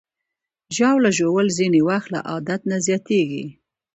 ژاوله ژوول ځینې وخت له عادت نه زیاتېږي.